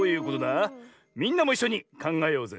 みんなもいっしょにかんがえようぜ。